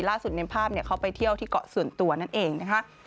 ในภาพเขาไปเที่ยวที่เกาะส่วนตัวนั่นเองนะคะ